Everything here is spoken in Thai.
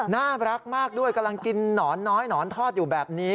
น่ารักมากด้วยกำลังกินหนอนน้อยหนอนทอดอยู่แบบนี้